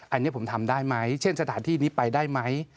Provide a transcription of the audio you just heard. อันนี้ผมทำได้ไหมเช่นสถานที่นี้ไปได้ไหม